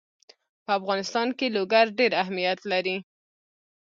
په افغانستان کې لوگر ډېر اهمیت لري.